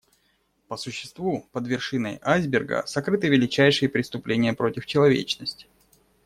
По существу, под вершиной айсберга сокрыты величайшие преступления против человечности.